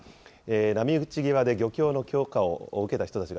波打ち際で漁協の許可を受けた人たちが、